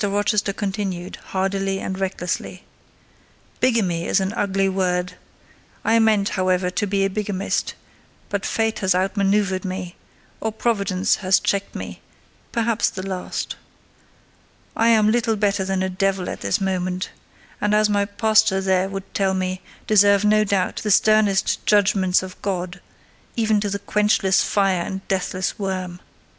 Rochester continued, hardily and recklessly: "Bigamy is an ugly word!—I meant, however, to be a bigamist; but fate has out manoeuvred me, or Providence has checked me,—perhaps the last. I am little better than a devil at this moment; and, as my pastor there would tell me, deserve no doubt the sternest judgments of God, even to the quenchless fire and deathless worm.